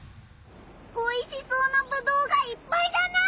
おいしそうなぶどうがいっぱいだな。